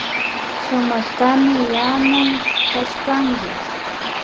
Sumaktami yanun kashkanki